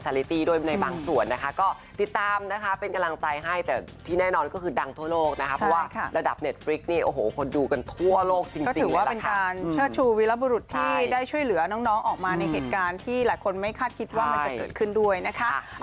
ก็ถือว่าเป็นการเชื่อชูวิระบุรุษที่ได้ช่วยเหลือน้องออกมาในเหตุการณ์ที่หลายคนไม่คาดคิดว่ามันจะเกิดขึ้นด้วยนะคะ